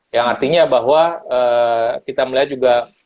yang artinya bahwa kita melihat juga